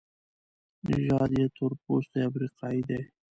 نژاد یې تورپوستی افریقایی دی.